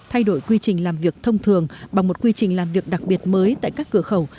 thay đổi quy trình làm việc thông thường bằng một quy trình làm việc đặc biệt mới tại các cửa khẩu